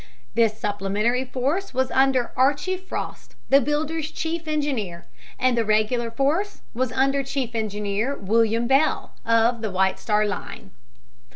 This supplementary force was under Archie Frost, the builders' chief engineer, and the regular force was under Chief Engineer William Bell, of the White Star Line.